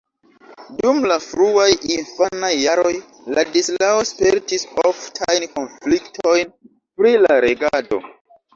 Dum la fruaj infanaj jaroj Ladislao spertis oftajn konfliktojn pri la regado.